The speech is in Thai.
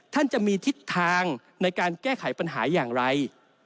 ท่านจะมีทิศทางในการแก้ไขปัญหาอย่างไร